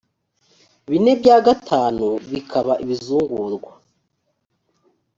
bine bya gatanu bikaba ibizungurwa